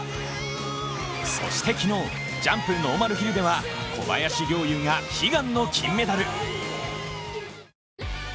そして昨日、ジャンプ・ノーマルヒルでは小林陵侑が悲願の金メダル。